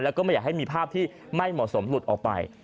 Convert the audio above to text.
แล้วก็ไม่อยากให้มีภาพที่ไม่เหมาะสมหลุดออกไป